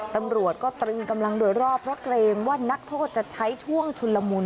ตำรวจก็ตรึงกำลังโดยรอบเพราะเกรงว่านักโทษจะใช้ช่วงชุนละมุน